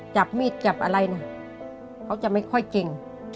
จับมีดจับอะไรนะเขาจะไม่ค่อยเก่ง